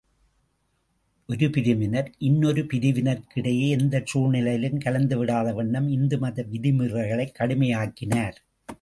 ஒரு பிரிவினர், இன்னொரு பிரிவினருக்கு இடையே எந்தச் சூழ்நிலையிலும் கலந்துவிடாத வண்ணம் இந்து மத விதிமுறைகளைக் கடுமையாக்கினர்.